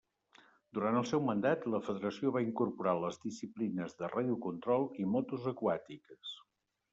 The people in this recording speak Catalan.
Durant el seu mandat, la federació va incorporar les disciplines de radiocontrol i motos aquàtiques.